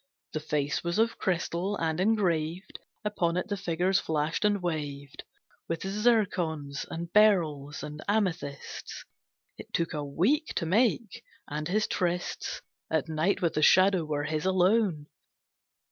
The face was of crystal, and engraved Upon it the figures flashed and waved With zircons, and beryls, and amethysts. It took a week to make, and his trysts At night with the Shadow were his alone.